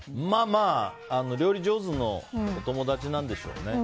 料理上手のお友達なんでしょうね。